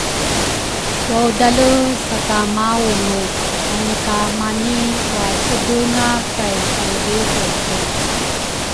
waudale sa ka maungu anikamani wacebenga kay salredredreke.